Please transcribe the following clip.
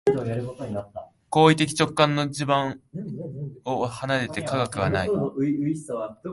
行為的直観の地盤を離れて科学はない。